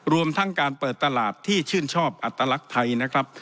รวมทั้งการเปิดตลาดที่ชื่นชอบอัตลักษณ์ไทยนะครับ